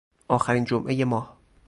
آخرین جمعهی ماه